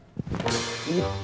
itu ide yang bagus